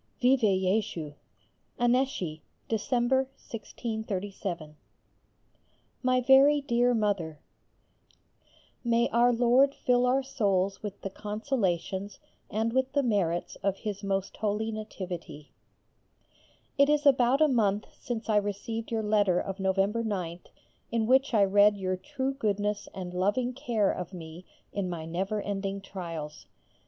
_ Vive [+] Jésus! ANNECY, December, 1637. MY VERY DEAR MOTHER, May Our Lord fill our souls with the consolations and with the merits of His most holy Nativity. It is about a month since I received your letter of November 9th in which I read your true goodness and loving care of me in my never ending trials.